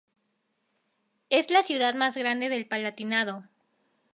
Es la ciudad más grande del Palatinado.